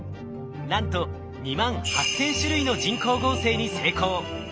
なんと２万８，０００種類の人工合成に成功。